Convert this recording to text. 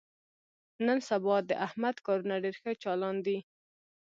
نن سبا د احمد کارونه ډېر ښه چالان دي.